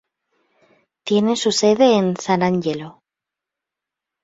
Tiene su sede en San Ángelo.